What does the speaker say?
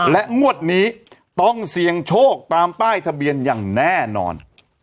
และงวดนี้ต้องเสี่ยงโชคตามป้ายทะเบียนอย่างแน่นอน